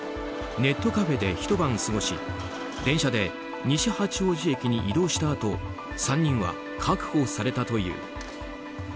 ネットカフェでひと晩過ごし電車で西八王子駅へ移動したあと３人は確保されたという。